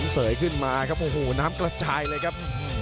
เสยขึ้นมาครับโอ้โหน้ำกระจายเลยครับ